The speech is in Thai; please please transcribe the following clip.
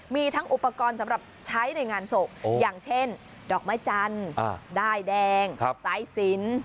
มีทั้งอุปกรณ์สำหรับใช้ในงานศพอย่างเช่นดอกไม้จันทร์ด้ายแดงสายสิน